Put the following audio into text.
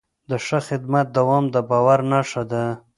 د ښه خدمت دوام د باور نښه ده.